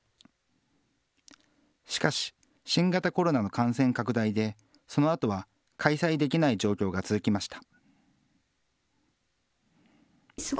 しかし、新型コロナの感染拡大で、そのあとは開催できない状況が続きました。